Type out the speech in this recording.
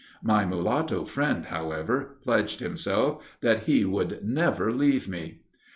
My mulatto friend, however, pledged himself that he would never leave me.